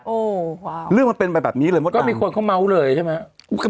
โอ้วว้าวเรื่องมันเป็นแบบแบบนี้เลยมันก็มีคนเขาเม้าเลยใช่ไหม